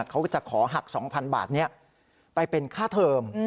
เขาจะขอหัก๒๐๐๐บาทนี้ไปเป็นค่าเทอม